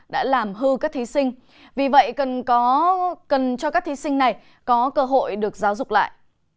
đã làm hư các thí sinh vì vậy cần cho các thí sinh này có cơ hội được giáo dục lại